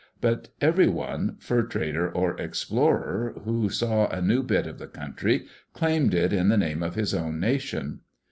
But everyone, fur trader or explorer, who saw a new bit of the country, claimed it in the name of his own nation.